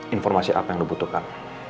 informasi apa yang lu butuhkan